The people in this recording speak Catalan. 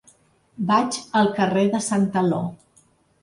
Vaig al carrer de Santaló.